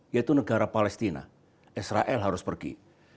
yaitu negara palestina israel harus pergi